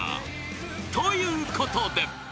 ［ということで］